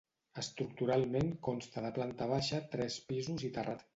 Estructuralment, consta de planta baixa, tres pisos i terrat.